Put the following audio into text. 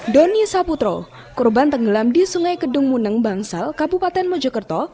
doni saputro korban tenggelam di sungai kedung muneng bangsal kabupaten mojokerto